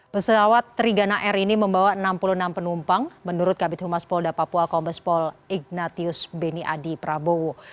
pesawat trigana air ini membawa enam puluh enam penumpang menurut kabit humas polda papua kombespol ignatius beni adi prabowo